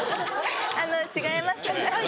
あの違います。